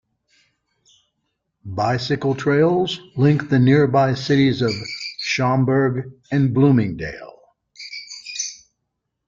Bicycle trails link the nearby cities of Schaumburg and Bloomingdale.